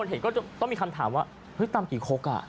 เห็นก็จะต้องมีคำถามว่าเฮ้ยตำกี่คกอ่ะ